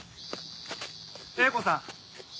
映子さん！